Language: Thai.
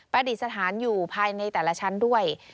ดิษฐานอยู่ภายในแต่ละชั้นด้วย